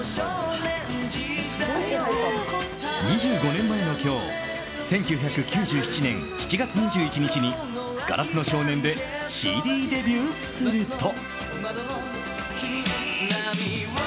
２５年前の今日１９９７年７月２１日に「硝子の少年」でＣＤデビューすると。